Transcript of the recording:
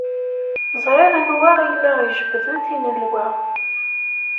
Ẓriɣ anwa ay la ijebbden tinelwa.